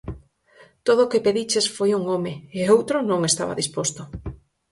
_Todo o que pediches foi un home, e o outro non estaba disposto.